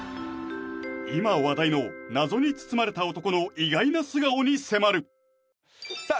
今話題の謎に包まれた男の意外な素顔に迫るさあ